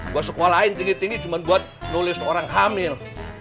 gue sekolahin tinggi tinggi cuman buat nulis orang hamil